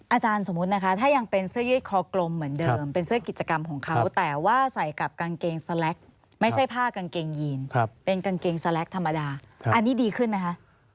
อาจารย์สมมุตินะคะถ้ายังเป็นเสื้อยืดคอกลมเหมือนเดิมเป็นเสื้อกิจกรรมของเขาแต่ว่าใส่กับกางเกงสแล็กไม่ใช่ผ้ากางเกงยีนเป็นกางเกงสแลกธรรมดาอันนี้ดีขึ้นไหมคะ